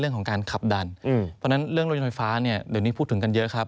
เพราะฉะนั้นเรื่องรถยนต์ไฟฟ้าเดี๋ยวนี้พูดถึงกันเยอะครับ